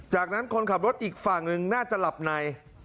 จากนั้นคนขับรถอีกฝั่งหนึ่งน่าจะหลับใน